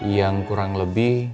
yang kurang lebih